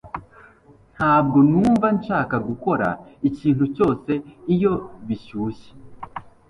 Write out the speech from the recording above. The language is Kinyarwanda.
Ntabwo numva nshaka gukora ikintu cyose iyo bishyushye